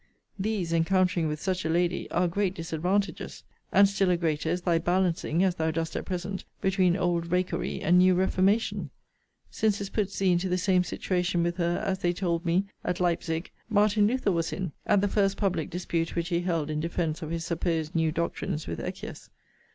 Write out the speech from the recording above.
These, encountering with such a lady, are great disadvantages. And still a greater is thy balancing, (as thou dost at present,) between old rakery and new reformation; since this puts thee into the same situation with her, as they told me, at Leipsick, Martin Luther was in, at the first public dispute which he held in defence of his supposed new doctrines with Eckius.